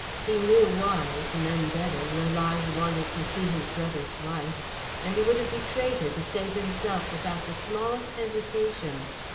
He knew why, none better, Lalage wanted to see his brother's wife. And he would have betrayed her to save himself without the smallest hesitation.